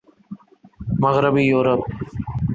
مغربی یورپ